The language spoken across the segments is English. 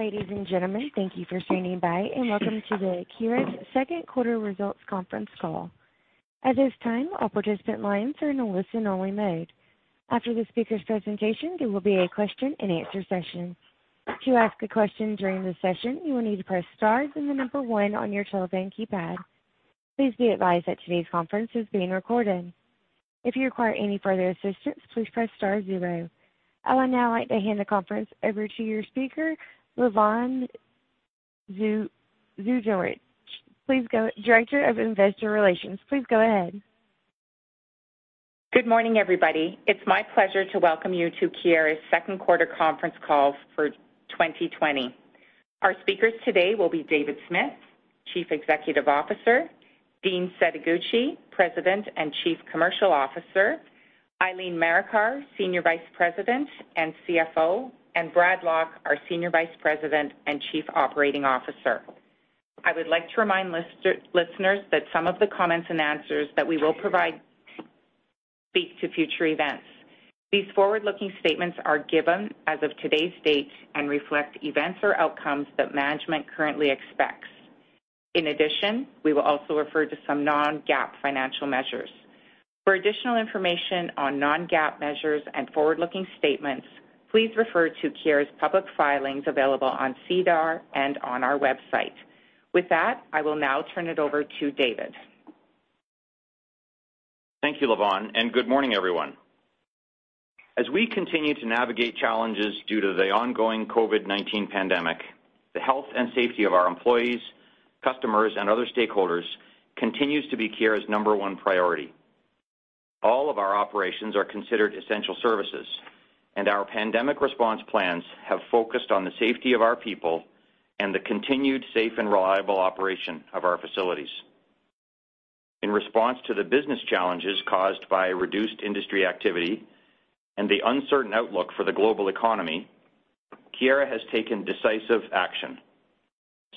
Ladies and gentlemen, thank you for standing by and welcome to the Keyera second quarter results conference call. At this time, all participant lines are in a listen-only mode. After the speaker's presentation, there will be a question and answer session. To ask a question during the session, you will need to press star then the number one on your telephone keypad. Please be advised that today's conference is being recorded. If you require any further assistance, please press star zero. I would now like to hand the conference over to your speaker, Lavonne Zdunich, Director of Investor Relations. Please go ahead. Good morning, everybody. It's my pleasure to welcome you to Keyera's second quarter conference call for 2020. Our speakers today will be David Smith, Chief Executive Officer, Dean Setoguchi, President and Chief Commercial Officer, Eileen Marikar, Senior Vice President and CFO, and Brad Lock, our Senior Vice President and Chief Operating Officer. I would like to remind listeners that some of the comments and answers that we will provide speak to future events. These forward-looking statements are given as of today's date and reflect events or outcomes that management currently expects. In addition, we will also refer to some non-GAAP financial measures. For additional information on non-GAAP measures and forward-looking statements, please refer to Keyera's public filings available on SEDAR and on our website. With that, I will now turn it over to David. Thank you, Lavonne, and good morning, everyone. As we continue to navigate challenges due to the ongoing COVID-19 pandemic, the health and safety of our employees, customers, and other stakeholders continues to be Keyera's number one priority. All of our operations are considered essential services, and our pandemic response plans have focused on the safety of our people and the continued safe and reliable operation of our facilities. In response to the business challenges caused by reduced industry activity and the uncertain outlook for the global economy, Keyera has taken decisive action.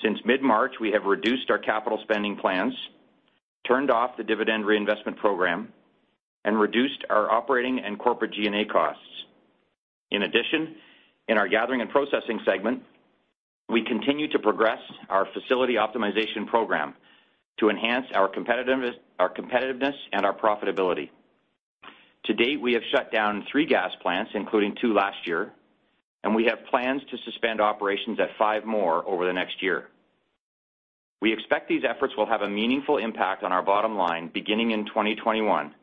Since mid-March, we have reduced our capital spending plans, turned off the dividend reinvestment program, and reduced our operating and corporate G&A costs. In addition, in our Gathering and Processing segment, we continue to progress our facility optimization program to enhance our competitiveness and our profitability. To date, we have shut down three gas plants, including two last year, and we have plans to suspend operations at five more over the next year. We expect these efforts will have a meaningful impact on our bottom line beginning in 2021, and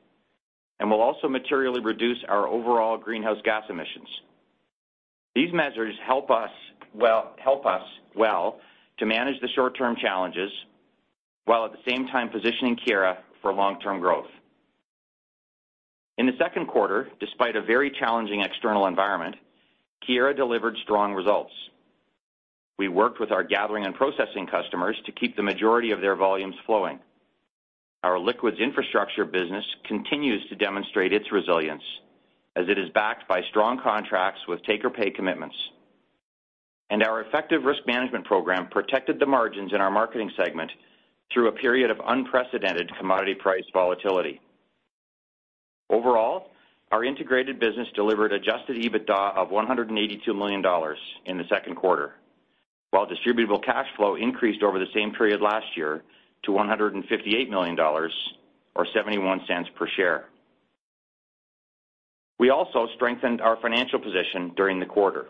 will also materially reduce our overall greenhouse gas emissions. These measures help us well to manage the short-term challenges, while at the same time positioning Keyera for long-term growth. In the second quarter, despite a very challenging external environment, Keyera delivered strong results. We worked with our Gathering and Processing customers to keep the majority of their volumes flowing. Our Liquids Infrastructure business continues to demonstrate its resilience as it is backed by strong contracts with take-or-pay commitments. Our effective risk management program protected the margins in our Marketing segment through a period of unprecedented commodity price volatility. Overall, our Integrated business delivered Adjusted EBITDA of 182 million dollars in the second quarter, while Distributable Cash Flow increased over the same period last year to 158 million dollars or 0.71 per share. We also strengthened our financial position during the quarter.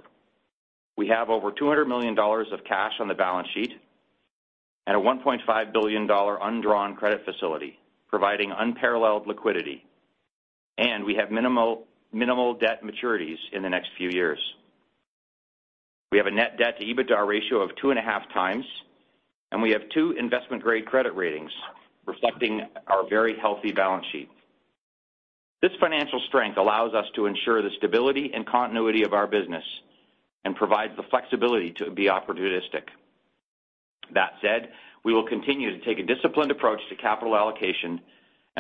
We have over 200 million dollars of cash on the balance sheet and a 1.5 billion dollar undrawn credit facility, providing unparalleled liquidity. We have minimal debt maturities in the next few years. We have a net debt to EBITDA ratio of 2.5x. we have two investment-grade credit ratings reflecting our very healthy balance sheet. This financial strength allows us to ensure the stability and continuity of our business and provide the flexibility to be opportunistic. That said, we will continue to take a disciplined approach to capital allocation.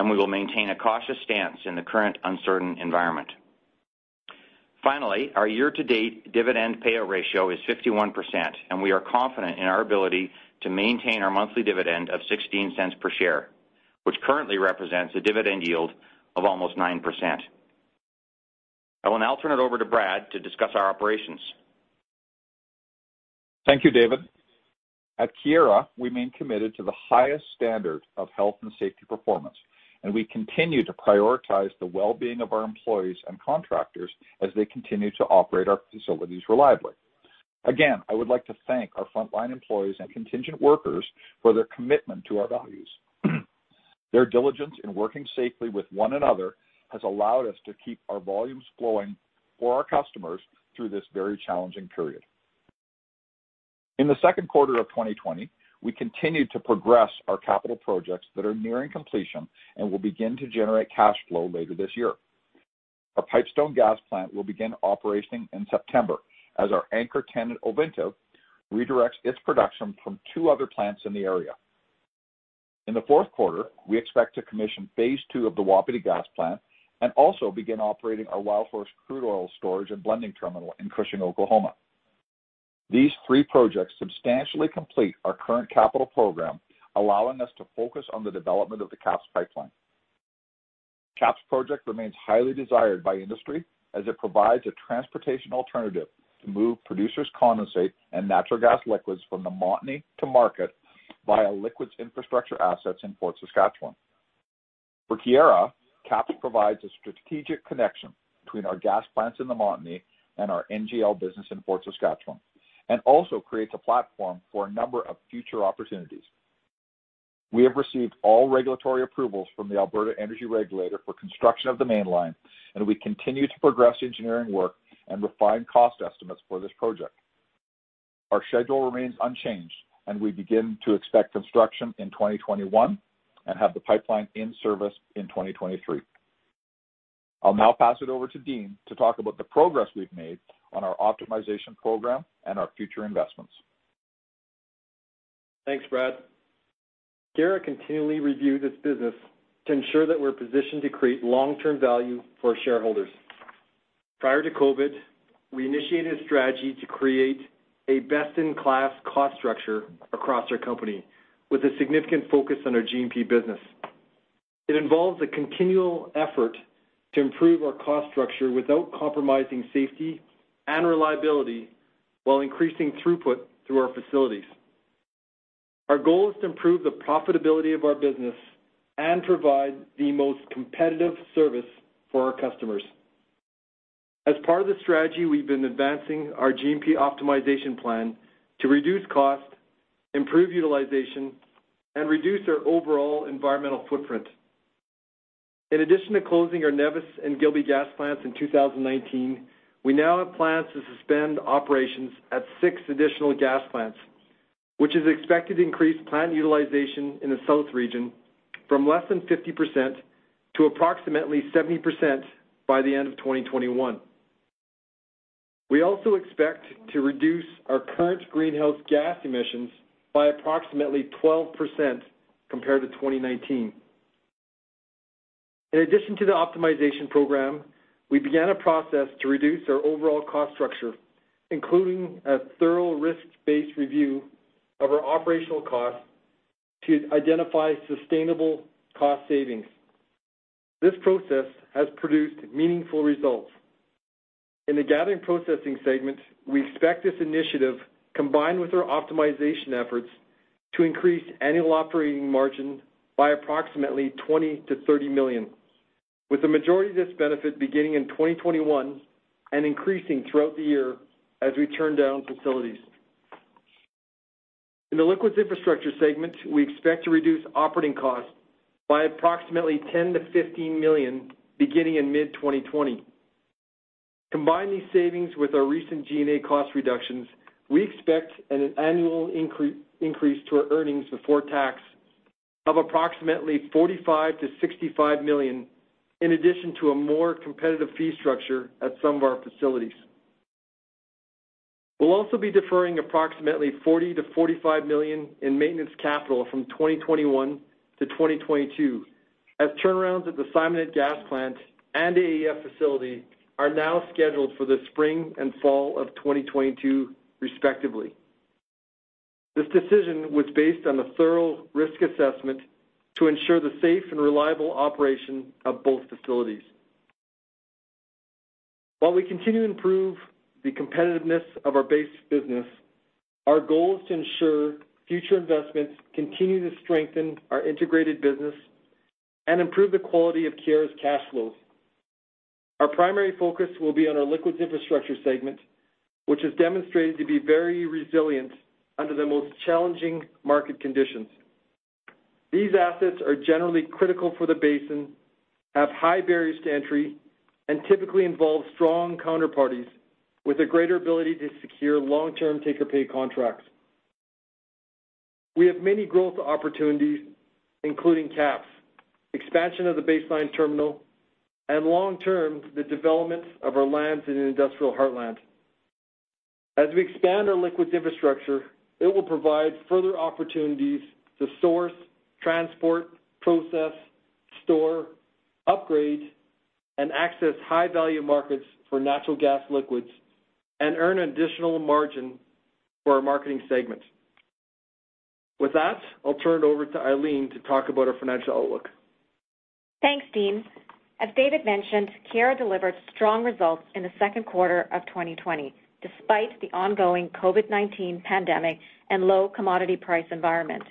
We will maintain a cautious stance in the current uncertain environment. Finally, our year-to-date dividend payout ratio is 51%, and we are confident in our ability to maintain our monthly dividend of 0.16 per share, which currently represents a dividend yield of almost 9%. I will now turn it over to Brad to discuss our operations. Thank you, David. At Keyera, we remain committed to the highest standard of health and safety performance, and we continue to prioritize the well-being of our employees and contractors as they continue to operate our facilities reliably. Again, I would like to thank our frontline employees and contingent workers for their commitment to our values. Their diligence in working safely with one another has allowed us to keep our volumes flowing for our customers through this very challenging period. In the second quarter of 2020, we continued to progress our capital projects that are nearing completion and will begin to generate cash flow later this year. Our Pipestone gas plant will begin operating in September as our anchor tenant, Ovintiv, redirects its production from two other plants in the area. In the fourth quarter, we expect to commission phase II of the Wapiti gas plant and also begin operating our Wildhorse crude oil storage and blending terminal in Cushing, Oklahoma. These three projects substantially complete our current capital program, allowing us to focus on the development of the KAPS Pipeline. KAPS project remains highly desired by industry as it provides a transportation alternative to move producers' condensate and natural gas liquids from the Montney to market via liquids infrastructure assets in Fort Saskatchewan. For Keyera, KAPS provides a strategic connection between our gas plants in the Montney and our NGL business in Fort Saskatchewan, and also creates a platform for a number of future opportunities. We have received all regulatory approvals from the Alberta Energy Regulator for construction of the mainline, and we continue to progress engineering work and refine cost estimates for this project. Our schedule remains unchanged, and we begin to expect construction in 2021 and have the pipeline in service in 2023. I'll now pass it over to Dean to talk about the progress we've made on our optimization program and our future investments. Thanks, Brad. Keyera continually review this business to ensure that we're positioned to create long-term value for our shareholders. Prior to COVID, we initiated a strategy to create a best-in-class cost structure across our company with a significant focus on our G&P business. It involves a continual effort to improve our cost structure without compromising safety and reliability while increasing throughput through our facilities. Our goal is to improve the profitability of our business and provide the most competitive service for our customers. As part of the strategy, we've been advancing our G&P optimization plan to reduce cost, improve utilization, and reduce our overall environmental footprint. In addition to closing our Nevis and Gilby gas plants in 2019, we now have plans to suspend operations at six additional gas plants, which is expected to increase plant utilization in the south region from less than 50% to approximately 70% by the end of 2021. We also expect to reduce our current greenhouse gas emissions by approximately 12% compared to 2019. In addition to the optimization program, we began a process to reduce our overall cost structure, including a thorough risk-based review of our operational costs to identify sustainable cost savings. This process has produced meaningful results. In the Gathering and Processing segment, we expect this initiative, combined with our optimization efforts, to increase annual operating margin by approximately 20 million-30 million, with the majority of this benefit beginning in 2021 and increasing throughout the year as we turn down facilities. In the Liquids Infrastructure segment, we expect to reduce operating costs by approximately 10 million-15 million beginning in mid-2020. Combine these savings with our recent G&A cost reductions, we expect an annual increase to our earnings before tax of approximately 45 million-65 million, in addition to a more competitive fee structure at some of our facilities. We'll also be deferring approximately 40 million-45 million in maintenance capital from 2021 to 2022 as turnarounds at the Simonette gas plant and AEF facility are now scheduled for the spring and fall of 2022 respectively. This decision was based on a thorough risk assessment to ensure the safe and reliable operation of both facilities. While we continue to improve the competitiveness of our base business, our goal is to ensure future investments continue to strengthen our Integrated business and improve the quality of Keyera's cash flows. Our primary focus will be on our Liquids Infrastructure segment, which has demonstrated to be very resilient under the most challenging market conditions. These assets are generally critical for the basin, have high barriers to entry, and typically involve strong counterparties with a greater ability to secure long-term take-or-pay contracts. We have many growth opportunities, including KAPS, expansion of the Baseline Terminal, and long-term, the developments of our lands in the Industrial Heartland. As we expand our Liquids Infrastructure, it will provide further opportunities to source, transport, process, store, upgrade, and access high-value markets for natural gas liquids and earn additional margin for our Marketing segment. With that, I'll turn it over to Eileen to talk about our financial outlook. Thanks, Dean. As David mentioned, Keyera delivered strong results in the second quarter of 2020, despite the ongoing COVID-19 pandemic and low commodity price environment.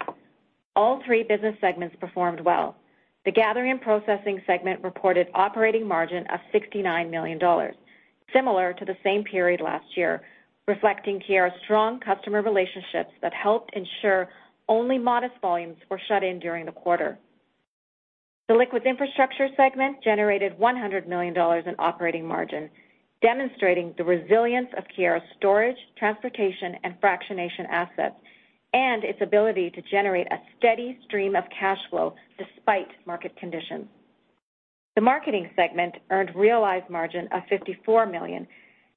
All three business segments performed well. The Gathering and Processing segment reported operating margin of 69 million dollars, similar to the same period last year, reflecting Keyera's strong customer relationships that helped ensure only modest volumes were shut in during the quarter. The Liquids Infrastructure segment generated 100 million dollars in operating margin, demonstrating the resilience of Keyera's storage, transportation, and fractionation assets and its ability to generate a steady stream of cash flow despite market conditions. The Marketing segment earned realized margin of 54 million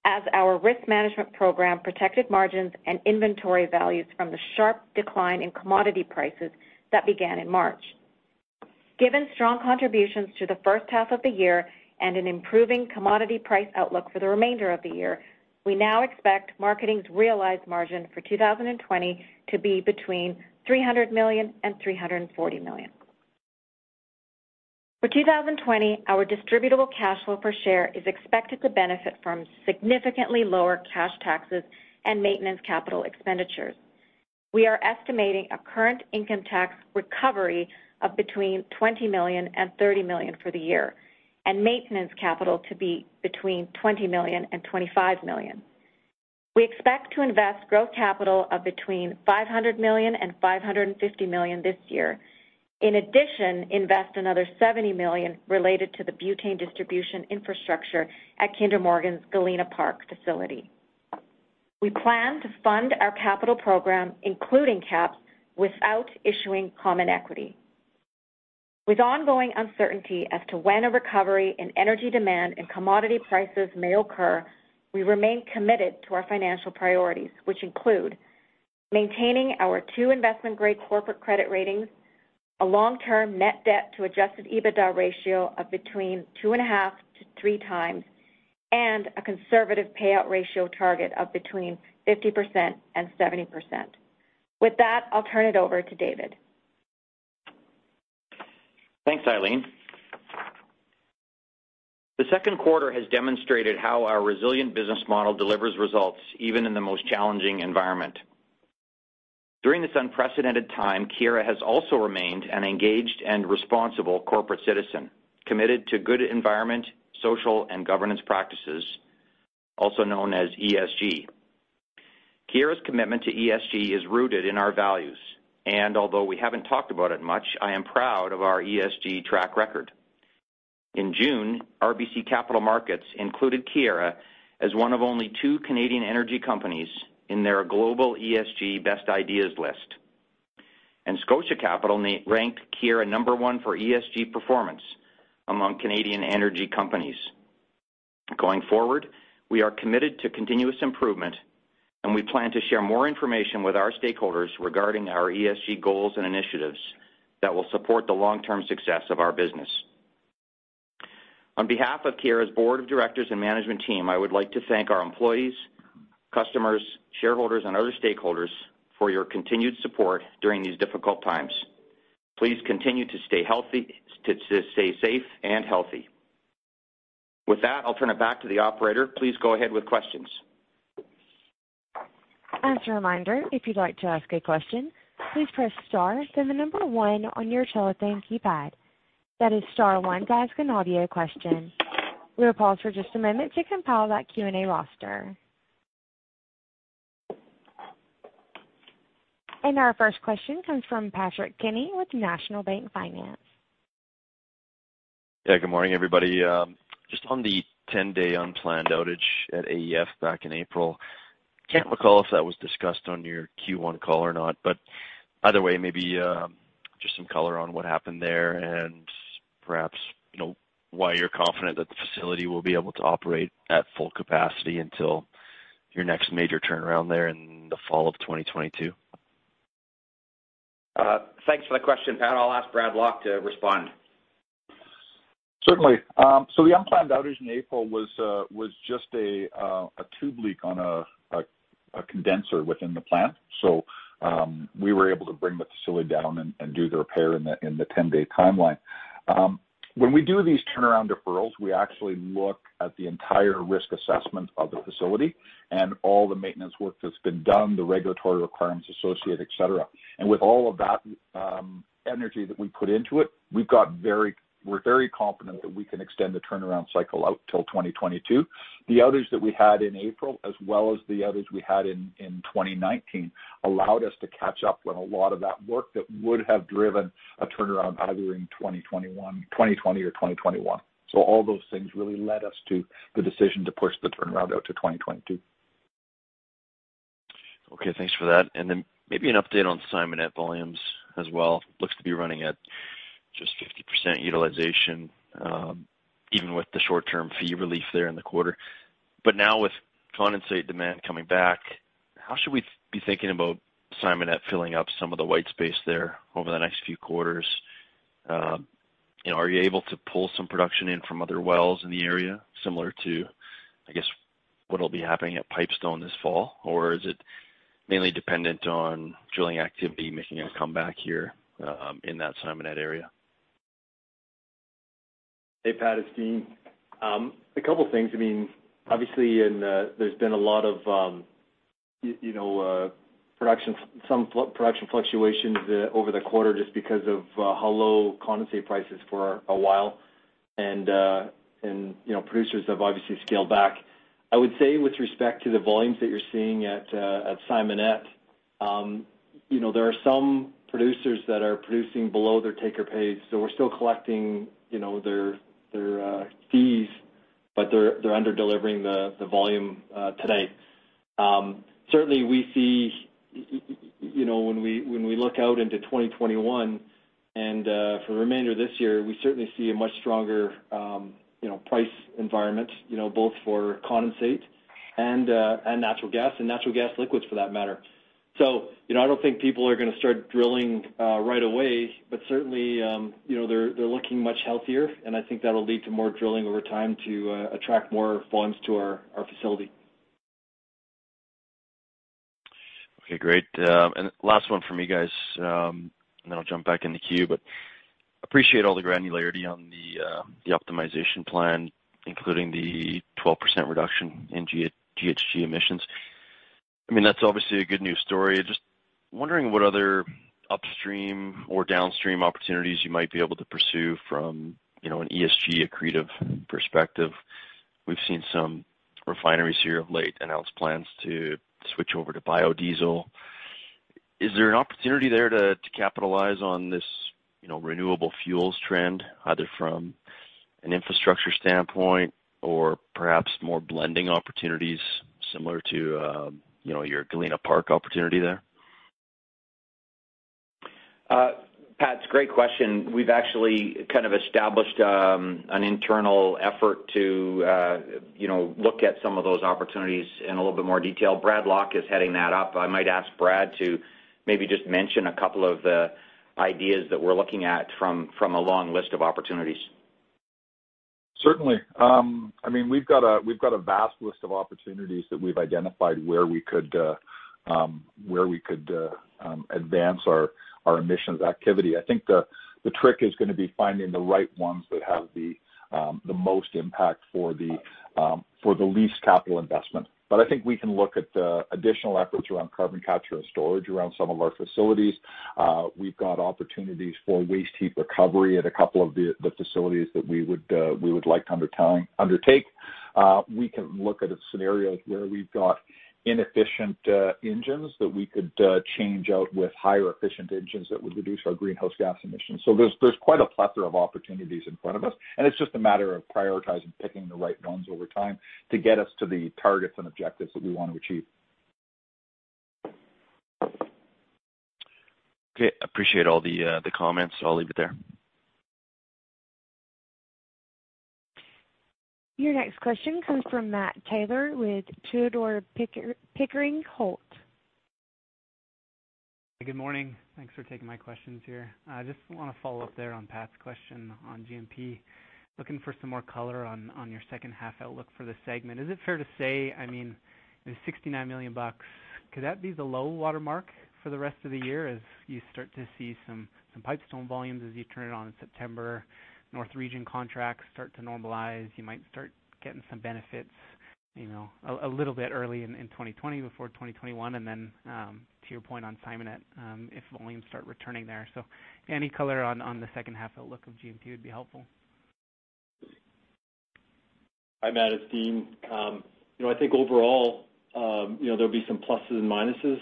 as our risk management program protected margins and inventory values from the sharp decline in commodity prices that began in March. Given strong contributions to the first half of the year and an improving commodity price outlook for the remainder of the year, we now expect Marketing's realized margin for 2020 to be between 300 million and 340 million. For 2020, our Distributable Cash Flow per share is expected to benefit from significantly lower cash taxes and maintenance capital expenditures. We are estimating a current income tax recovery of between 20 million and 30 million for the year, and maintenance capital to be between 20 million and 25 million. We expect to invest growth capital of between 500 million and 550 million this year. In addition, invest another 70 million related to the butane distribution infrastructure at Kinder Morgan's Galena Park facility. We plan to fund our capital program, including KAPS, without issuing common equity. With ongoing uncertainty as to when a recovery in energy demand and commodity prices may occur, we remain committed to our financial priorities, which include maintaining our two investment-grade corporate credit ratings, a long-term net debt to Adjusted EBITDA ratio of between 2.5x-3x, and a conservative payout ratio target of between 50% and 70%. With that, I'll turn it over to David. Thanks, Eileen. The second quarter has demonstrated how our resilient business model delivers results even in the most challenging environment. During this unprecedented time, Keyera has also remained an engaged and responsible corporate citizen, committed to good Environment, Social, and Governance practices, also known as ESG. Keyera's commitment to ESG is rooted in our values, and although we haven't talked about it much, I am proud of our ESG track record. In June, RBC Capital Markets included Keyera as one of only two Canadian energy companies in their Global ESG Best Ideas list. Scotia Capital ranked Keyera number one for ESG performance among Canadian energy companies. Going forward, we are committed to continuous improvement, and we plan to share more information with our stakeholders regarding our ESG goals and initiatives that will support the long-term success of our business. On behalf of Keyera's Board of Directors and management team, I would like to thank our employees, customers, shareholders, and other stakeholders for your continued support during these difficult times. Please continue to stay safe and healthy. With that, I'll turn it back to the operator. Please go ahead with questions. As a reminder, if you'd like to ask a question, please press star, then the number one on your telethon keypad. That is star one to ask an audio question. We will pause for just a moment to compile that Q&A roster. Our first question comes from Patrick Kenny with National Bank Financial. Good morning, everybody. Just on the 10-day unplanned outage at AEF back in April. Can't recall if that was discussed on your Q1 call or not, but either way, maybe just some color on what happened there and perhaps, why you're confident that the facility will be able to operate at full capacity until your next major turnaround there in the fall of 2022. Thanks for that question, Pat. I'll ask Brad Lock to respond. Certainly. The unplanned outage in April was just a tube leak on a condenser within the plant. We were able to bring the facility down and do the repair in the 10-day timeline. When we do these turnaround deferrals, we actually look at the entire risk assessment of the facility and all the maintenance work that's been done, the regulatory requirements associated, et cetera. With all of that energy that we put into it, we're very confident that we can extend the turnaround cycle out till 2022. The outage that we had in April as well as the outage we had in 2019 allowed us to catch up on a lot of that work that would have driven a turnaround either in 2020 or 2021. All those things really led us to the decision to push the turnaround out to 2022. Okay, thanks for that. Then maybe an update on Simonette volumes as well. Looks to be running at just 50% utilization, even with the short-term fee relief there in the quarter. Now with condensate demand coming back, how should we be thinking about Simonette filling up some of the white space there over the next few quarters? Are you able to pull some production in from other wells in the area, similar to, I guess, what'll be happening at Pipestone this fall? Is it mainly dependent on drilling activity making a comeback here in that Simonette area? Hey, Pat, it's Dean. A couple of things. Obviously, there's been a lot of production fluctuations over the quarter just because of how low condensate price is for a while. Producers have obviously scaled back. I would say with respect to the volumes that you're seeing at Simonette, there are some producers that are producing below their take-or-pay, so we're still collecting their fees, but they're under-delivering the volume today. Certainly, when we look out into 2021 and for the remainder of this year, we certainly see a much stronger price environment both for condensate and natural gas, and natural gas liquids for that matter. I don't think people are going to start drilling right away. Certainly, they're looking much healthier, and I think that'll lead to more drilling over time to attract more volumes to our facility. Okay, great. Last one from me, guys, then I'll jump back in the queue. Appreciate all the granularity on the optimization plan, including the 12% reduction in GHG emissions. That's obviously a good news story. Just wondering what other upstream or downstream opportunities you might be able to pursue from an ESG accretive perspective. We've seen some refineries here of late announce plans to switch over to biodiesel. Is there an opportunity there to capitalize on this renewable fuels trend, either from an infrastructure standpoint or perhaps more blending opportunities similar to your Galena Park opportunity there? Pat, it's a great question. We've actually established an internal effort to look at some of those opportunities in a little bit more detail. Brad Lock is heading that up. I might ask Brad to maybe just mention a couple of the ideas that we're looking at from a long list of opportunities. Certainly. We've got a vast list of opportunities that we've identified where we could advance our emissions activity. I think the trick is going to be finding the right ones that have the most impact for the least capital investment. I think we can look at additional efforts around carbon capture and storage around some of our facilities. We've got opportunities for waste heat recovery at a couple of the facilities that we would like to undertake. We can look at scenarios where we've got inefficient engines that we could change out with higher efficient engines that would reduce our greenhouse gas emissions. There's quite a plethora of opportunities in front of us, and it's just a matter of prioritizing, picking the right ones over time to get us to the targets and objectives that we want to achieve. Okay. Appreciate all the comments. I'll leave it there. Your next question comes from Matt Taylor with Tudor Pickering Holt. Good morning. Thanks for taking my questions here. I just want to follow up there on Pat's question on G&P. Looking for some more color on your second half outlook for the segment. Is it fair to say, the 69 million bucks, could that be the low water mark for the rest of the year as you start to see some Pipestone volumes as you turn it on in September, North region contracts start to normalize, you might start getting some benefits a little bit early in 2020 before 2021, and then, to your point on Simonette, if volumes start returning there? Any color on the second half outlook of G&P would be helpful. Hi, Matt. It's Dean. I think overall there'll be some pluses and minuses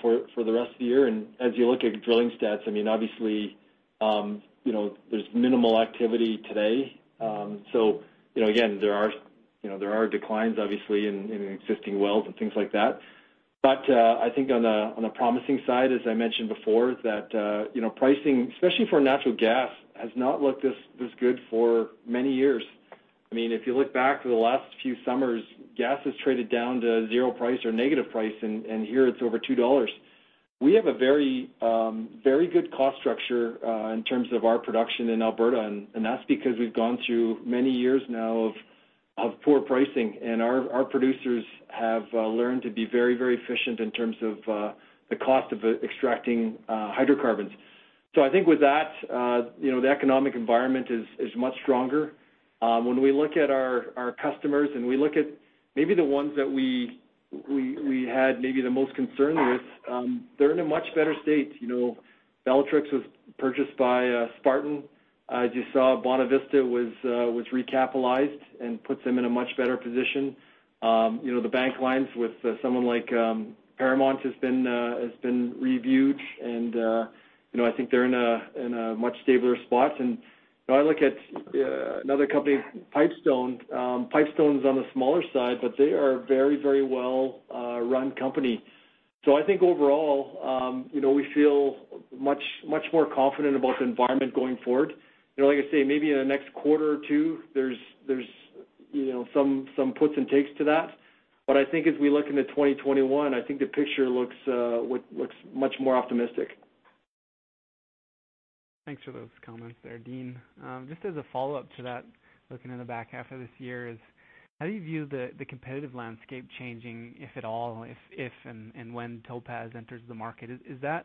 for the rest of the year. As you look at drilling stats, obviously, there's minimal activity today. Again, there are declines obviously in existing wells and things like that. I think on the promising side, as I mentioned before, that pricing, especially for natural gas, has not looked this good for many years. If you look back to the last few summers, gas has traded down to zero price or negative price, and here it's over 2 dollars. We have a very good cost structure in terms of our production in Alberta, and that's because we've gone through many years now of poor pricing, and our producers have learned to be very efficient in terms of the cost of extracting hydrocarbons. I think with that, the economic environment is much stronger. When we look at our customers, we look at maybe the ones that we had the most concern with, they're in a much better state. Bellatrix was purchased by Spartan. As you saw, Bonavista was recapitalized and puts them in a much better position. The bank lines with someone like Paramount has been reviewed, I think they're in a much stabler spot. I look at another company, Pipestone. Pipestone is on the smaller side, they are a very well-run company. I think overall, we feel much more confident about the environment going forward. Like I say, maybe in the next quarter or two, there's some puts and takes to that. I think as we look into 2021, I think the picture looks much more optimistic. Thanks for those comments there, Dean. Just as a follow-up to that, looking in the back half of this year, how do you view the competitive landscape changing, if at all, if and when Topaz enters the market? Is that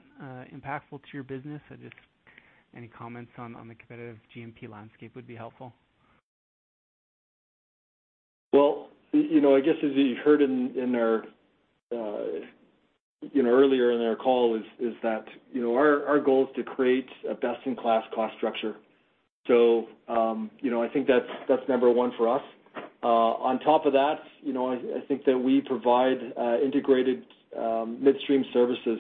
impactful to your business? Any comments on the competitive G&P landscape would be helpful. Well, I guess as you heard earlier in our call is that our goal is to create a best-in-class cost structure. I think that's number one for us. On top of that, I think that we provide integrated midstream services.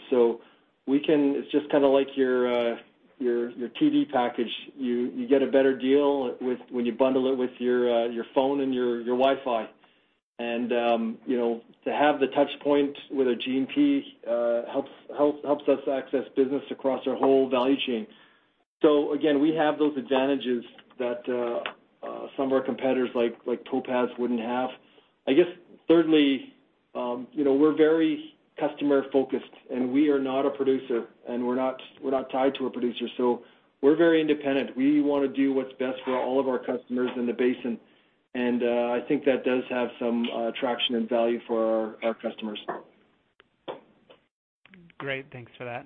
It's just kind of like your TV package. You get a better deal when you bundle it with your phone and your Wi-Fi. To have the touchpoint with a G&P helps us access business across our whole value chain. Again, we have those advantages that some of our competitors like Topaz wouldn't have. I guess thirdly, we're very customer-focused, and we are not a producer, and we're not tied to a producer, so we're very independent. We want to do what's best for all of our customers in the basin. I think that does have some traction and value for our customers. Great. Thanks for that.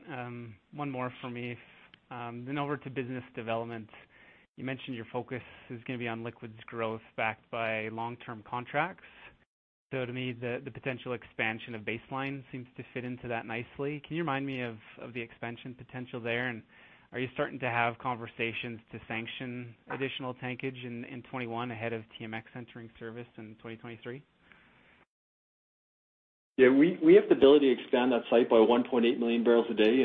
One more from me, over to business development. You mentioned your focus is going to be on liquids growth backed by long-term contracts. To me, the potential expansion of Baseline seems to fit into that nicely. Can you remind me of the expansion potential there? Are you starting to have conversations to sanction additional tankage in 2021 ahead of TMX entering service in 2023? Yeah, we have the ability to expand that site by 1.8 million barrels a day.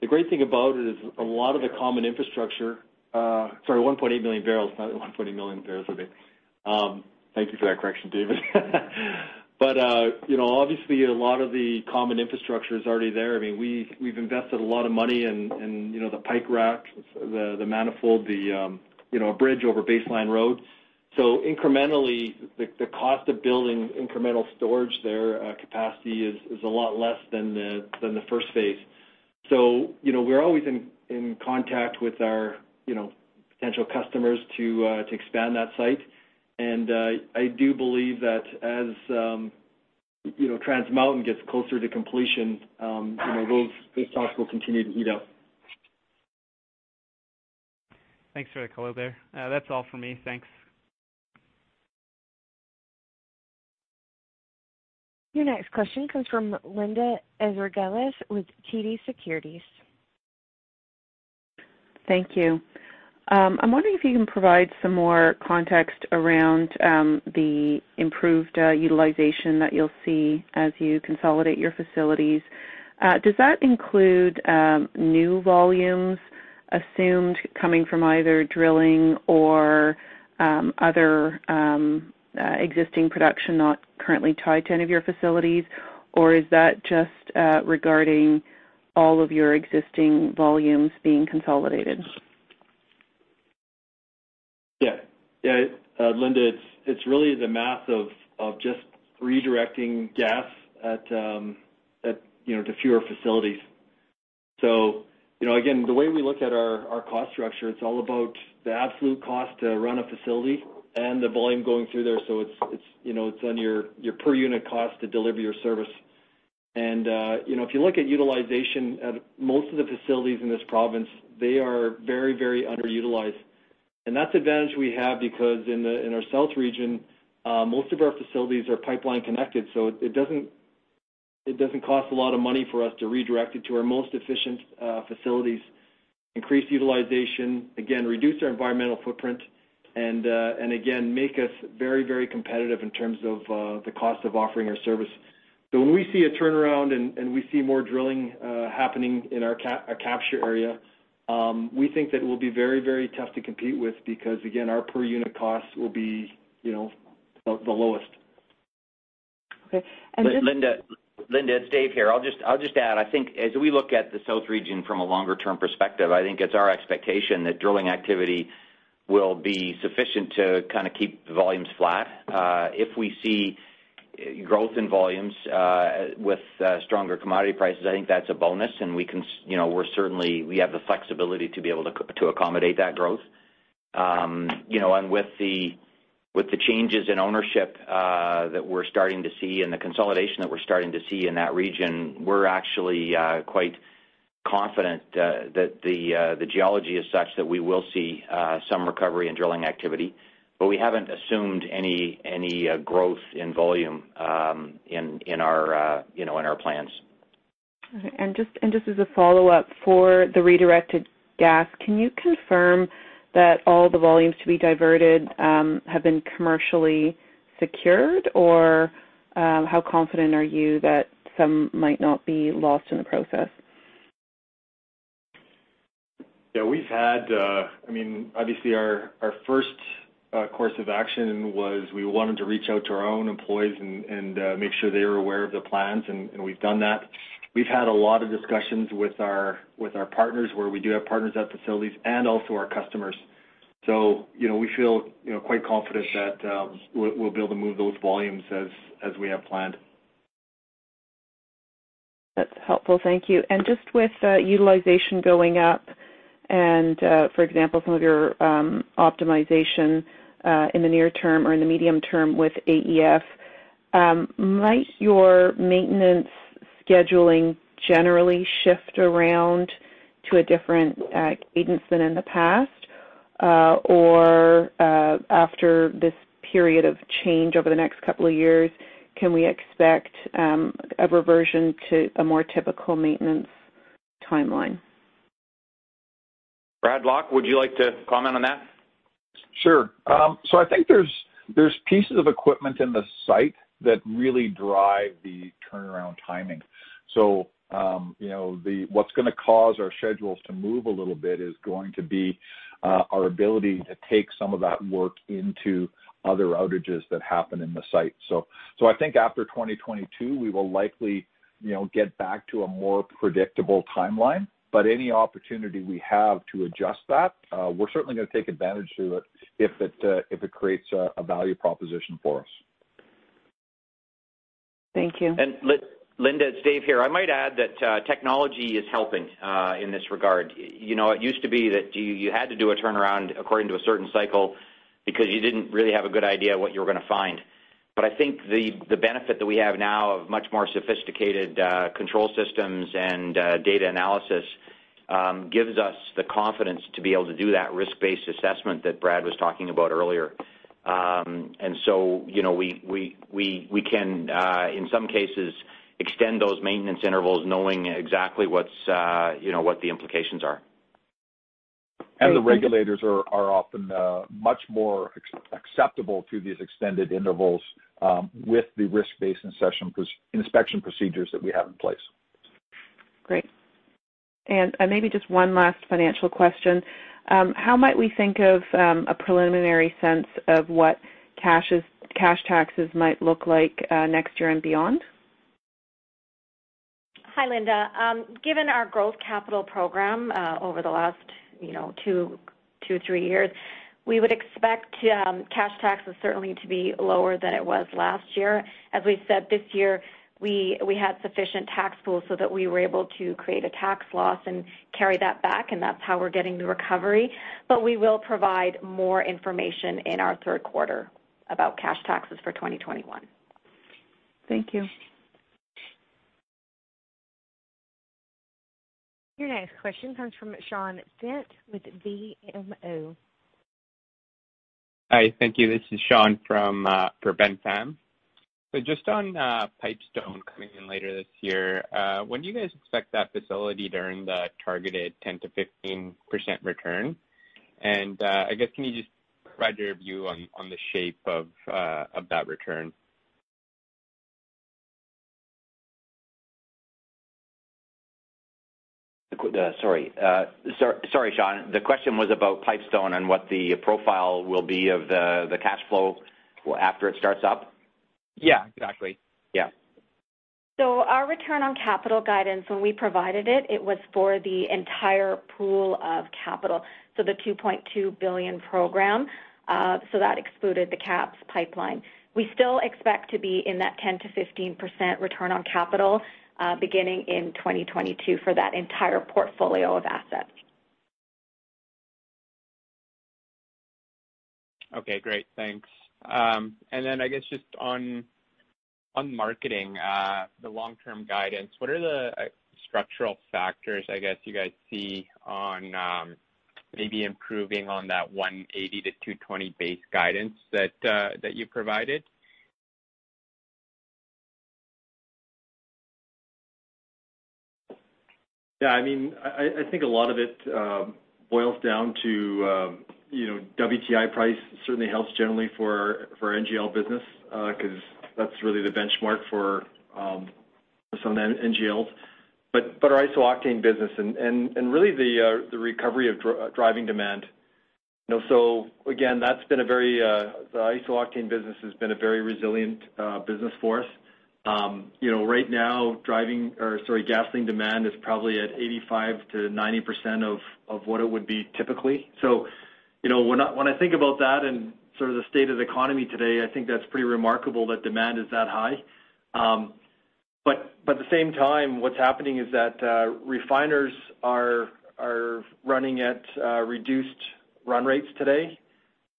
The great thing about it is a lot of the common infrastructure. Sorry, 1.8 million barrels, not 1.8 million barrels a day. Thank you for that correction, David. Obviously, a lot of the common infrastructure is already there. We've invested a lot of money in the pipe rack, the manifold, a bridge over Baseline Road. Incrementally, the cost of building incremental storage there, capacity, is a lot less than the first phase. I do believe that as Trans Mountain gets closer to completion, those talks will continue to heat up. Thanks for the color there. That's all for me. Thanks. Your next question comes from Linda Ezergailis with TD Securities. Thank you. I'm wondering if you can provide some more context around the improved utilization that you'll see as you consolidate your facilities. Does that include new volumes assumed coming from either drilling or other existing production not currently tied to any of your facilities? Is that just regarding all of your existing volumes being consolidated? Yeah. Linda, it's really the math of just redirecting gas to fewer facilities. Again, the way we look at our cost structure, it's all about the absolute cost to run a facility and the volume going through there. It's on your per unit cost to deliver your service. If you look at utilization at most of the facilities in this province, they are very underutilized. That's advantage we have because in our south region, most of our facilities are pipeline connected, so it doesn't cost a lot of money for us to redirect it to our most efficient facilities, increase utilization, again, reduce our environmental footprint, and again, make us very competitive in terms of the cost of offering our service. When we see a turnaround and we see more drilling happening in our capture area, we think that it will be very tough to compete with because, again, our per unit cost will be the lowest. Okay. Linda, it's Dave here. I'll just add, I think as we look at the south region from a longer-term perspective, I think it's our expectation that drilling activity will be sufficient to kind of keep the volumes flat. If we see growth in volumes with stronger commodity prices, I think that's a bonus, and we have the flexibility to be able to accommodate that growth. With the changes in ownership that we're starting to see and the consolidation that we're starting to see in that region, we're actually quite confident that the geology is such that we will see some recovery in drilling activity. We haven't assumed any growth in volume in our plans. Okay. Just as a follow-up, for the redirected gas, can you confirm that all the volumes to be diverted have been commercially secured? How confident are you that some might not be lost in the process? Yeah. Obviously, our first course of action was we wanted to reach out to our own employees and make sure they were aware of the plans, and we've done that. We've had a lot of discussions with our partners, where we do have partners at facilities, and also our customers. We feel quite confident that we'll be able to move those volumes as we have planned. That's helpful. Thank you. Just with utilization going up and, for example, some of your optimization in the near-term or in the medium-term with AEF, might your maintenance scheduling generally shift around to a different cadence than in the past or after this period of change over the next couple of years, can we expect a reversion to a more typical maintenance timeline? Brad Lock, would you like to comment on that? Sure. I think there's pieces of equipment in the site that really drive the turnaround timing. What's going to cause our schedules to move a little bit is going to be our ability to take some of that work into other outages that happen in the site. I think after 2022, we will likely get back to a more predictable timeline, but any opportunity we have to adjust that, we're certainly going to take advantage through it if it creates a value proposition for us. Thank you. Linda, it's Dave here. I might add that technology is helping in this regard. It used to be that you had to do a turnaround according to a certain cycle because you didn't really have a good idea what you were going to find. I think the benefit that we have now of much more sophisticated control systems and data analysis gives us the confidence to be able to do that risk-based assessment that Brad was talking about earlier. We can, in some cases, extend those maintenance intervals knowing exactly what the implications are. Thank you. The regulators are often much more acceptable to these extended intervals with the risk-based inspection procedures that we have in place. Great. Maybe just one last financial question. How might we think of a preliminary sense of what cash taxes might look like next year and beyond? Hi, Linda. Given our growth capital program over the last two, three years, we would expect cash taxes certainly to be lower than it was last year. As we said, this year, we had sufficient tax pools so that we were able to create a tax loss and carry that back, and that's how we're getting the recovery. We will provide more information in our third quarter about cash taxes for 2021. Thank you. Your next question comes from Shaan Thind with BMO. Hi. Thank you. This is Shaan from BMO. Just on Pipestone coming in later this year, when do you guys expect that facility to earn the targeted 10%-15% return? I guess, can you just provide your view on the shape of that return? Sorry, Shaan. The question was about Pipestone and what the profile will be of the cash flow after it starts up? Yeah, exactly. Our return on capital guidance, when we provided it was for the entire pool of capital, the 2.2 billion program. That excluded the KAPS Pipeline. We still expect to be in that 10%-15% return on capital beginning in 2022 for that entire portfolio of assets. Okay, great. Thanks. Then I guess just on Marketing, the long-term guidance, what are the structural factors, I guess, you guys see on maybe improving on that 180-220 base guidance that you provided? Yeah, I think a lot of it boils down to WTI price certainly helps generally for NGL business, because that's really the benchmark for some NGLs. Our isooctane business and really the recovery of driving demand. Again, the isooctane business has been a very resilient business for us. Right now, gasoline demand is probably at 85%-90% of what it would be typically. When I think about that and sort of the state of the economy today, I think that's pretty remarkable that demand is that high. At the same time, what's happening is that refiners are running at reduced run rates today,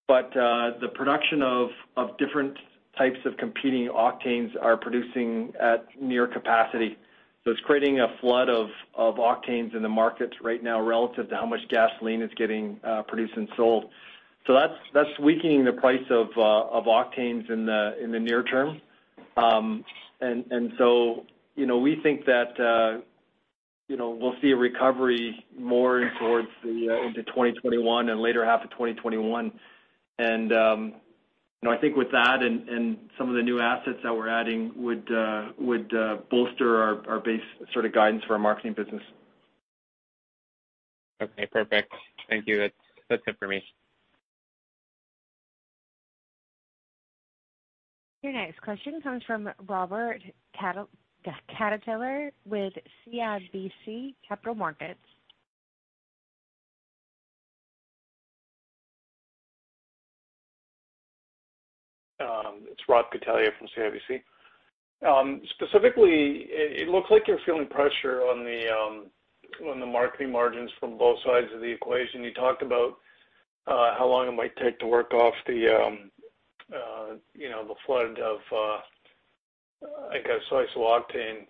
but the production of different types of competing octanes are producing at near capacity. It's creating a flood of octanes in the market right now relative to how much gasoline is getting produced and sold. That's weakening the price of octanes in the near-term. We think that we'll see a recovery more towards into 2021 and later half of 2021. I think with that and some of the new assets that we're adding would bolster our base sort of guidance for our Marketing business. Okay, perfect. Thank you. That's it for me. Your next question comes from Robert Catellier with CIBC Capital Markets. It's Rob Catellier from CIBC. It looks like you're feeling pressure on the marketing margins from both sides of the equation. You talked about how long it might take to work off the flood of, I guess, isooctane.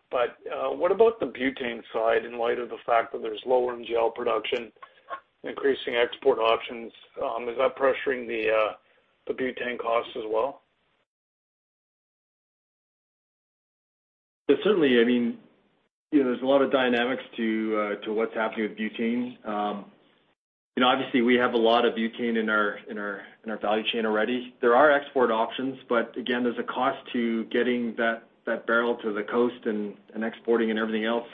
What about the butane side in light of the fact that there's lower NGL production, increasing export options? Is that pressuring the butane costs as well? Certainly, there's a lot of dynamics to what's happening with butane. Obviously, we have a lot of butane in our value chain already. There are export options, again, there's a cost to getting that barrel to the coast and exporting and everything else.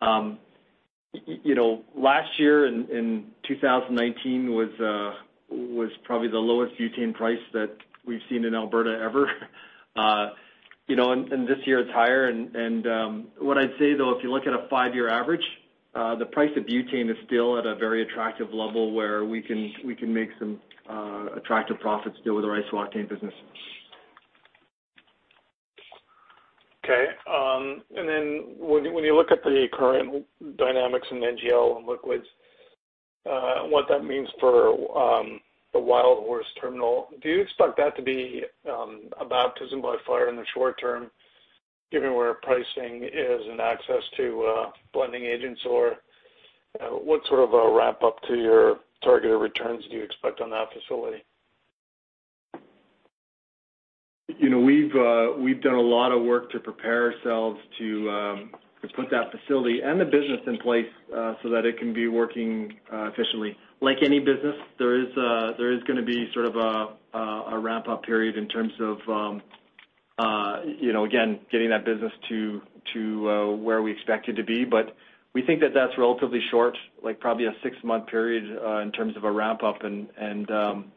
Last year in 2019 was probably the lowest butane price that we've seen in Alberta ever. This year it's higher, and what I'd say though, if you look at a five-year average The price of butane is still at a very attractive level where we can make some attractive profits still with our isooctane business. Okay. When you look at the current dynamics in NGL and liquids, what that means for the Wildhorse terminal, do you expect that to be a baptism by fire in the short-term, given where pricing is and access to blending agents? Or what sort of a ramp-up to your targeted returns do you expect on that facility? We've done a lot of work to prepare ourselves to put that facility and the business in place so that it can be working efficiently. Like any business, there is going to be sort of a ramp-up period in terms of, again, getting that business to where we expect it to be. We think that's relatively short, like probably a six-month period, in terms of a ramp-up. Again,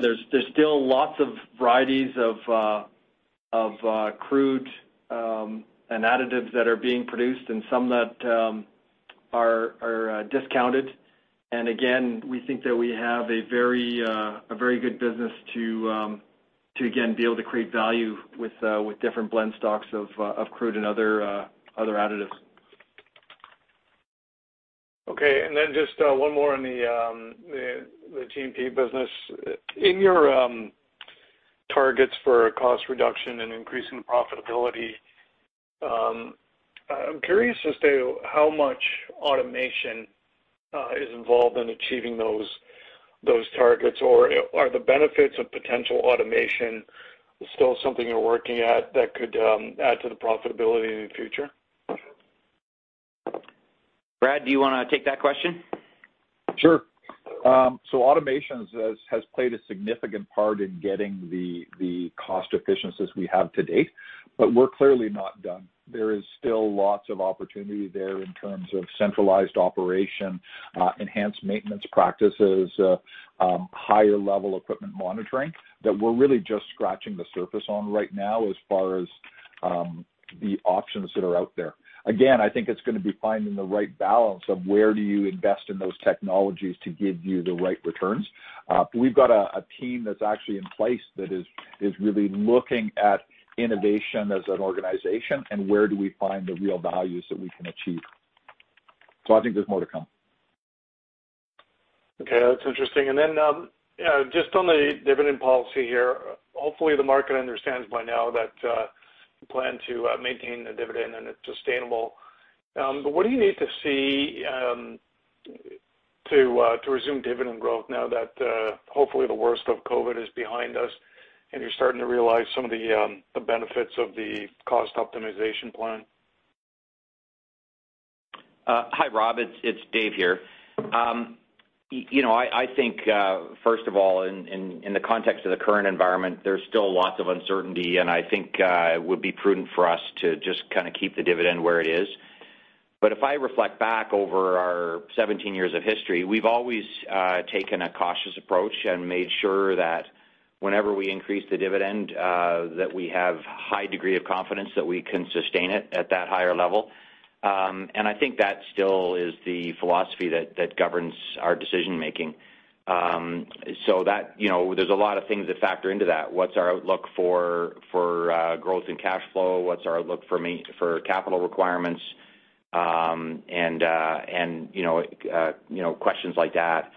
there's still lots of varieties of crude and additives that are being produced and some that are discounted. Again, we think that we have a very good business to, again, be able to create value with different blend stocks of crude and other additives. Just one more on the G&P business. In your targets for cost reduction and increasing profitability, I'm curious as to how much automation is involved in achieving those targets. Are the benefits of potential automation still something you're working at that could add to the profitability in the future? Brad, do you want to take that question? Sure. Automation has played a significant part in getting the cost efficiencies we have to date, but we're clearly not done. There is still lots of opportunity there in terms of centralized operation, enhanced maintenance practices, higher-level equipment monitoring, that we're really just scratching the surface on right now as far as the options that are out there. Again, I think it's going to be finding the right balance of where do you invest in those technologies to give you the right returns. We've got a team that's actually in place that is really looking at innovation as an organization and where do we find the real values that we can achieve. I think there's more to come. Okay, that's interesting. Then, just on the dividend policy here, hopefully the market understands by now that you plan to maintain the dividend and it's sustainable. What do you need to see to resume dividend growth now that, hopefully, the worst of COVID is behind us and you're starting to realize some of the benefits of the cost optimization plan? Hi, Rob. It's Dave here. I think, first of all, in the context of the current environment, there's still lots of uncertainty. I think it would be prudent for us to just kind of keep the dividend where it is. If I reflect back over our 17 years of history, we've always taken a cautious approach and made sure that whenever we increase the dividend, that we have a high degree of confidence that we can sustain it at that higher-level. I think that still is the philosophy that governs our decision-making. There's a lot of things that factor into that. What's our outlook for growth and cash flow? What's our outlook for capital requirements? Questions like that.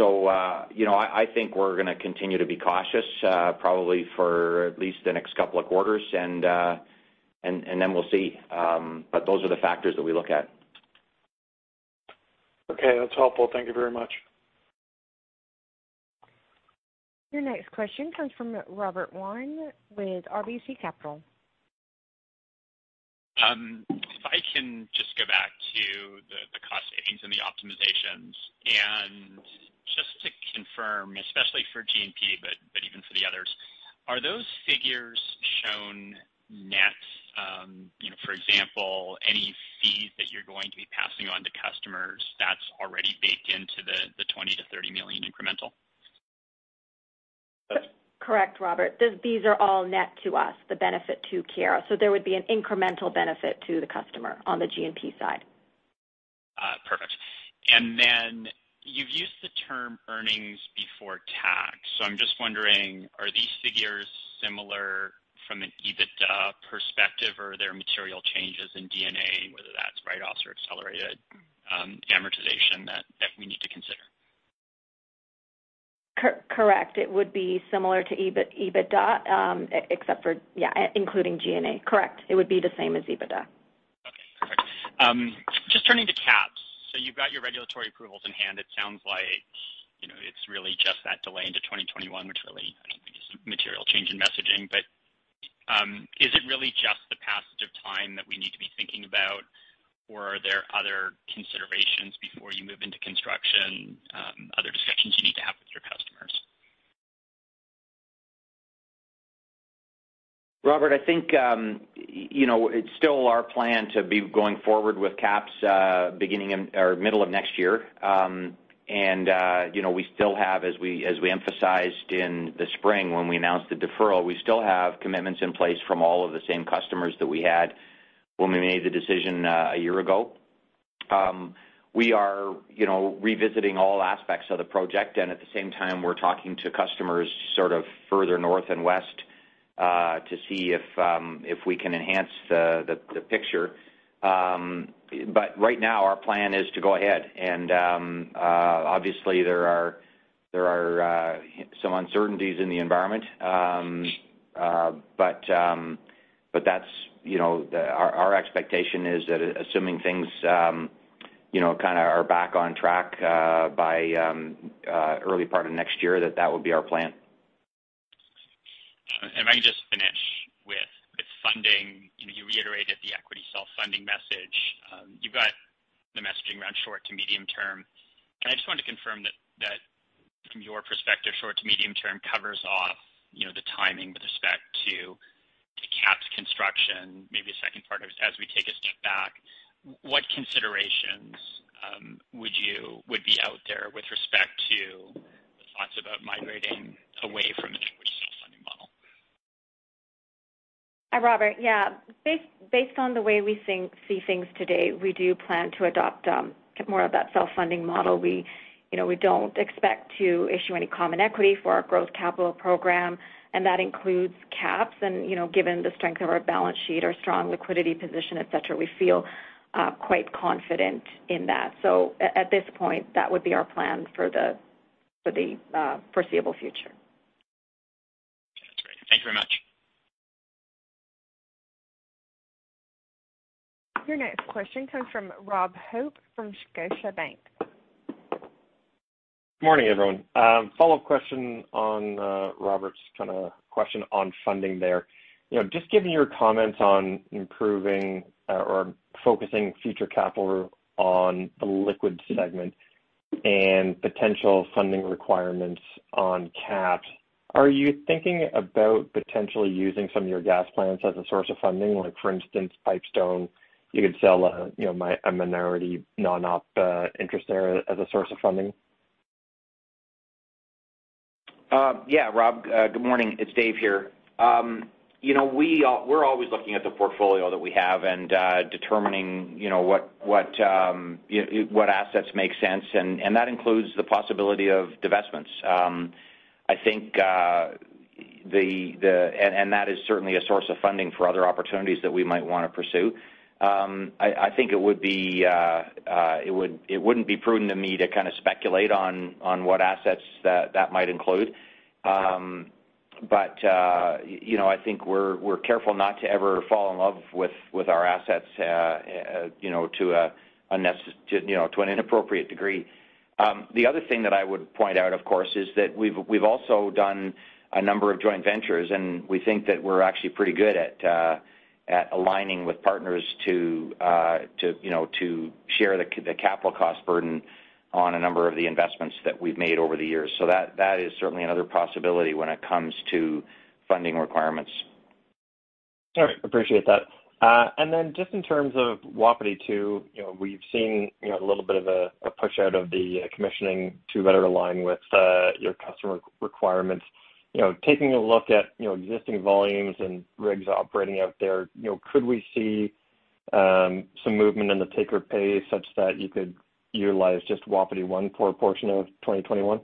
I think we're going to continue to be cautious, probably for at least the next couple of quarters, and then we'll see. Those are the factors that we look at. Okay. That's helpful. Thank you very much. Your next question comes from Robert Kwan with RBC Capital. If I can just go back to the cost savings and the optimizations. Just to confirm, especially for G&P, but even for the others, are those figures shown net? For example, any fees that you're going to be passing on to customers that's already baked into the 20 million-30 million incremental? Correct, Robert. These are all net to us, the benefit to Keyera. There would be an incremental benefit to the customer on the G&P side. Perfect. Then you've used the term earnings before tax. I'm just wondering, are these figures similar from an EBITDA perspective, or are there material changes in G&A, whether that's write-offs or accelerated amortization that we need to consider? Correct. It would be similar to EBITDA except including G&A. Correct. It would be the same as EBITDA. Okay, perfect. Turning to KAPS. You've got your regulatory approvals in hand. It sounds like it's really just that delay into 2021, which really, I don't think is a material change in messaging, but is it really just the passage of time that we need to be thinking about, or are there other considerations before you move into construction? Other discussions you need to have with your customers? Robert, I think, it's still our plan to be going forward with KAPS middle of next year. We still have, as we emphasized in the spring when we announced the deferral, we still have commitments in place from all of the same customers that we had when we made the decision a year ago. We are revisiting all aspects of the project, and at the same time, we're talking to customers further north and west to see if we can enhance the picture. Right now, our plan is to go ahead. Obviously, there are some uncertainties in the environment. Our expectation is that assuming things are back on track by early part of next year, that would be our plan. If I can just finish with funding. You reiterated the equity self-funding message. You've got the messaging around short to medium-term. I just wanted to confirm that from your perspective, short to medium-term covers off the timing with respect to KAPS construction. Maybe a second part of it is, as we take a step back, what considerations would be out there with respect to the thoughts about migrating away from an equity self-funding model? Hi, Robert. Yeah. Based on the way we see things today, we do plan to adopt more of that self-funding model. We don't expect to issue any common equity for our growth capital program, and that includes KAPS. Given the strength of our balance sheet, our strong liquidity position, et cetera, we feel quite confident in that. At this point, that would be our plan for the foreseeable future. That's great. Thank you very much. Your next question comes from Rob Hope from Scotiabank. Morning, everyone. Follow-up question on Robert's question on funding there. Just given your comments on improving or focusing future capital on the Liquid segment and potential funding requirements on KAPS, are you thinking about potentially using some of your gas plants as a source of funding? Like for instance, Pipestone, you could sell a minority non-op interest there as a source of funding. Yeah, Rob. Good morning. It's Dave here. We're always looking at the portfolio that we have and determining what assets make sense, and that includes the possibility of divestments. That is certainly a source of funding for other opportunities that we might want to pursue. I think it wouldn't be prudent of me to speculate on what assets that might include. I think we're careful not to ever fall in love with our assets to an inappropriate degree. The other thing that I would point out, of course, is that we've also done a number of joint ventures, and we think that we're actually pretty good at aligning with partners to share the capital cost burden on a number of the investments that we've made over the years. That is certainly another possibility when it comes to funding requirements. All right. Appreciate that. Just in terms of Wapiti 2, we've seen a little bit of a push out of the commissioning to better align with your customer requirements. Taking a look at existing volumes and rigs operating out there, could we see some movement in the take-or-pay such that you could utilize just Wapiti 1 for a portion of 2021?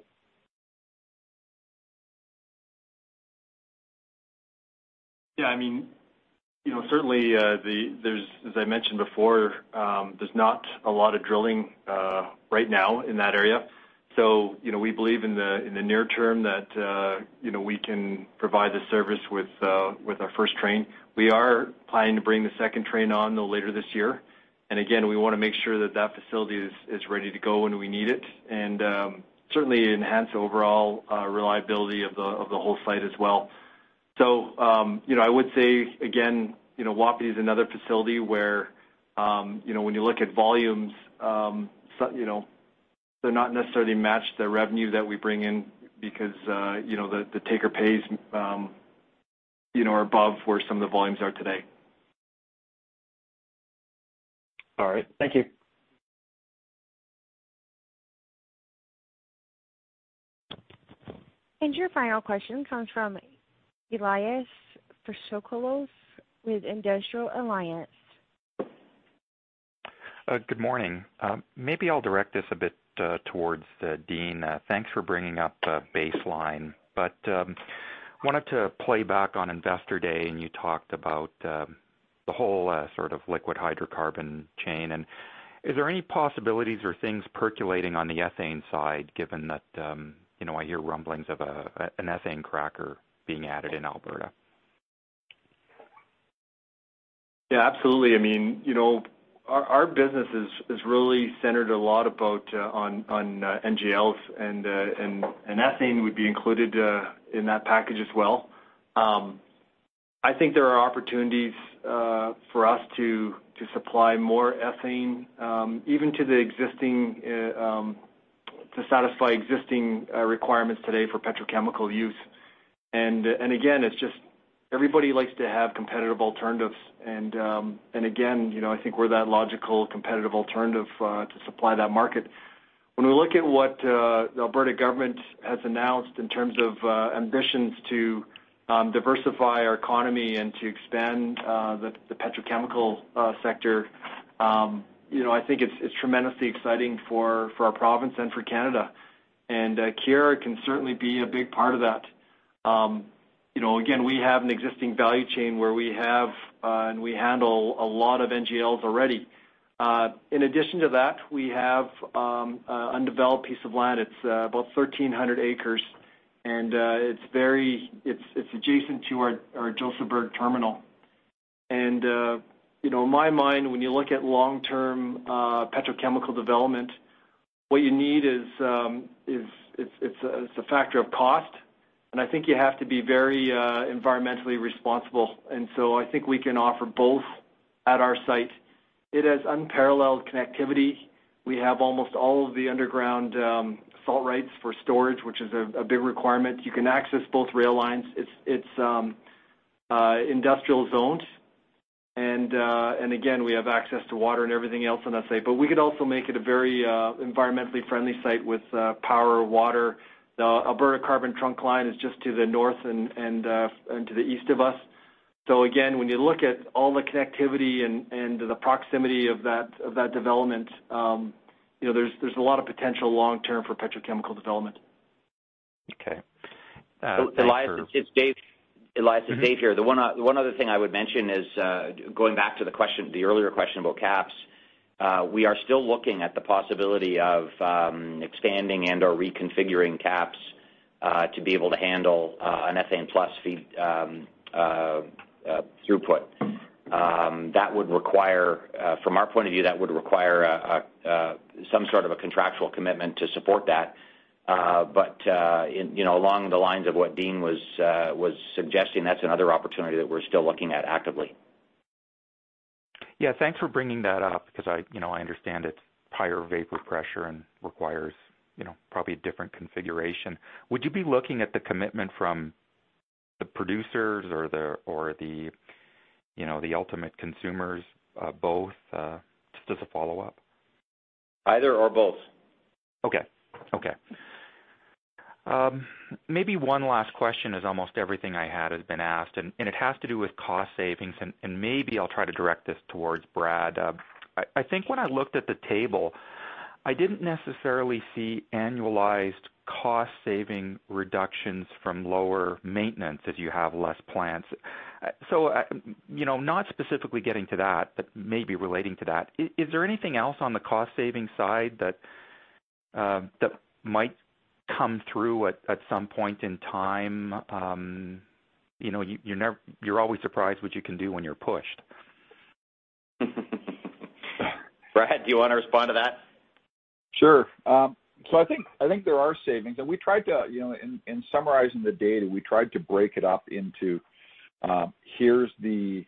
Certainly, as I mentioned before, there's not a lot of drilling right now in that area. We believe in the near term that we can provide the service with our first train. We are planning to bring the second train on no later this year. We want to make sure that facility is ready to go when we need it and certainly enhance overall reliability of the whole site as well. I would say again, Wapiti is another facility where when you look at volumes, they're not necessarily matched to the revenue that we bring in because the take-or-pays are above where some of the volumes are today. All right. Thank you. Your final question comes from Elias Foscolos with Industrial Alliance. Good morning. Maybe I'll direct this a bit towards Dean. Thanks for bringing up Baseline, but wanted to play back on Investor Day, and you talked about the whole sort of liquid hydrocarbon chain. Is there any possibilities or things percolating on the ethane side, given that I hear rumblings of an ethane cracker being added in Alberta? Yeah, absolutely. Our business is really centered a lot about on NGLs, ethane would be included in that package as well. I think there are opportunities for us to supply more ethane, even to satisfy existing requirements today for petrochemical use. Again, it's just everybody likes to have competitive alternatives. Again, I think we're that logical, competitive alternative to supply that market. When we look at what the Alberta government has announced in terms of ambitions to diversify our economy and to expand the petrochemical sector, I think it's tremendously exciting for our province and for Canada. Keyera can certainly be a big part of that. Again, we have an existing value chain where we have, and we handle a lot of NGLs already. In addition to that, we have undeveloped piece of land. It's about 1,300 acres, and it's adjacent to our Josephburg terminal. In my mind, when you look at long-term petrochemical development, what you need is, it's a factor of cost. I think you have to be very environmentally responsible. I think we can offer both at our site. It has unparalleled connectivity. We have almost all of the underground salt rights for storage, which is a big requirement. You can access both rail lines. It's industrial zoned, and again, we have access to water and everything else on that site. We could also make it a very environmentally friendly site with power, water. The Alberta Carbon Trunk Line is just to the north and to the east of us. Again, when you look at all the connectivity and the proximity of that development, there's a lot of potential long-term for petrochemical development. Okay. Elias, it's Dave here. The one other thing I would mention is, going back to the earlier question about KAPS. We are still looking at the possibility of expanding and/or reconfiguring KAPS, to be able to handle an ethane-plus feed throughput. From our point of view, that would require some sort of a contractual commitment to support that. Along the lines of what Dean was suggesting, that's another opportunity that we're still looking at actively. Yeah, thanks for bringing that up because I understand it's higher vapor pressure and requires probably a different configuration. Would you be looking at the commitment from the producers or the ultimate consumers, both? Just as a follow-up. Either or both. Okay. Maybe one last question, as almost everything I had has been asked, it has to do with cost savings, and maybe I'll try to direct this towards Brad. I think when I looked at the table, I didn't necessarily see annualized cost-saving reductions from lower maintenance, as you have less plants. Not specifically getting to that, but maybe relating to that. Is there anything else on the cost-saving side that might come through at some point in time? You're always surprised what you can do when you're pushed. Brad, do you want to respond to that? Sure. I think there are savings, and in summarizing the data, we tried to break it up into, here's the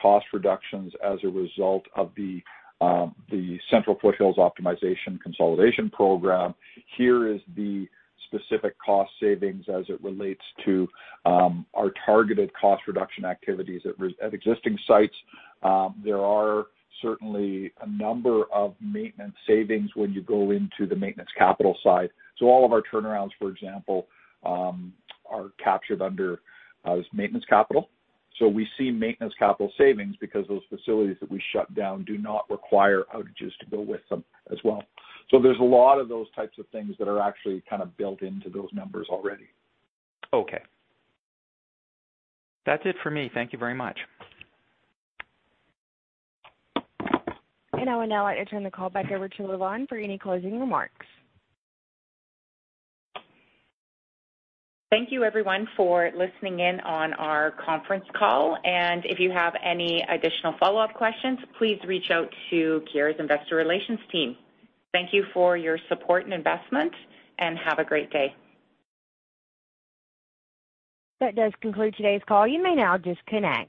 cost reductions as a result of the Central Foothills Optimization Consolidation Program. Here is the specific cost savings as it relates to our targeted cost-reduction activities at existing sites. There are certainly a number of maintenance savings when you go into the maintenance capital side. All of our turnarounds, for example, are captured under maintenance capital. We see maintenance capital savings because those facilities that we shut down do not require outages to go with them as well. There's a lot of those types of things that are actually kind of built into those numbers already. Okay. That's it for me. Thank you very much. I would now like to turn the call back over to Lavonne for any closing remarks. Thank you everyone for listening in on our conference call. If you have any additional follow-up questions, please reach out to Keyera's investor relations team. Thank you for your support and investment, and have a great day. That does conclude today's call. You may now disconnect.